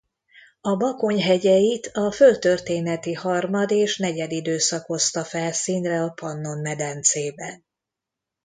A Bakony hegyeit a földtörténeti harmad- és negyedidőszak hozta felszínre a Pannon-medencében.